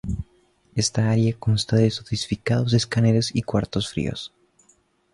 Esta área consta de sofisticados escáneres y cuartos fríos.